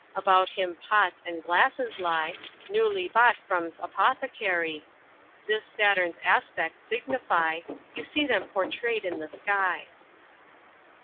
About him pots and glasses lie, Newly brought from's Apothecary. This Saturn's aspects signify, You see them portray'd in the sky.